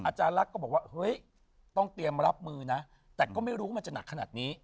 อาจารย์ลักษณ์ก็บอกว่าเฮ้ยต้องเตรียมรับมือนะแต่ก็ไม่รู้ว่ามันจะหนักขนาดนี้